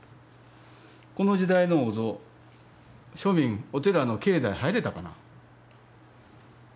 この時代のお像庶民お寺の境内入れたかな？